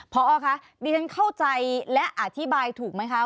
พอคะดิฉันเข้าใจและอธิบายถูกไหมคะ